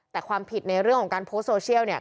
แต่ความผิดในเรื่องของการโพสต์โซเชียลเนี่ย